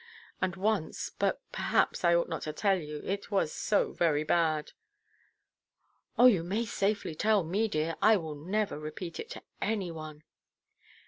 And once—but perhaps I ought not to tell you: it was so very bad." "Oh, you may safely tell me, dear. I will never repeat it to any one."